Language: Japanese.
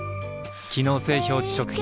機能性表示食品